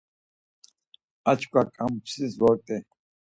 Açkva ǩampusis vort̆i.